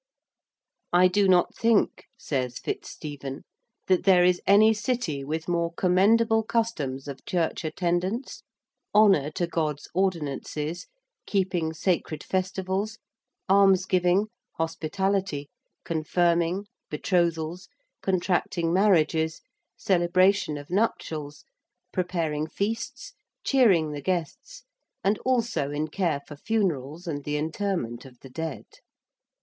'I do not think,' says FitzStephen, 'that there is any city with more commendable customs of church attendance, honour to God's ordinances, keeping sacred festivals, almsgiving, hospitality, confirming, betrothals, contracting marriages, celebration of nuptials, preparing feasts, cheering the guests, and also in care for funerals and the interment of the dead.